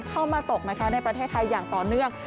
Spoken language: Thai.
เข้ามาตกนะคะในประเทศไทยอย่างต่อเนื่อง